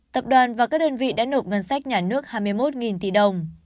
tập đoàn và các đơn vị đã nộp ngân sách nhà nước hai mươi một tỷ đồng